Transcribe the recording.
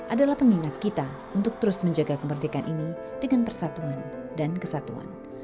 adalah pengingat kita untuk terus menjaga kemerdekaan ini dengan persatuan dan kesatuan